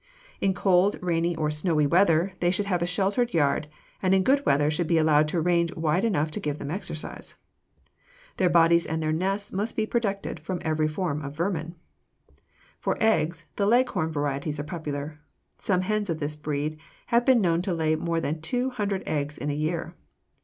In cold, rainy, or snowy weather they should have a sheltered yard, and in good weather should be allowed a range wide enough to give them exercise. Their bodies and their nests must be protected from every form of vermin. For eggs, the Leghorn varieties are popular. Some hens of this breed have been known to lay more than two hundred eggs in a year.